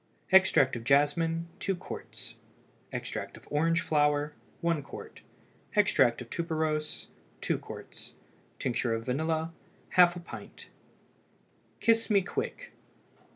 Extract of jasmine 2 qts. Extract of orange flower 1 qt. Extract of tuberose 2 qts. Tincture of vanilla ½ pint. KISS ME QUICK.